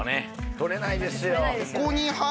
取れないですよね。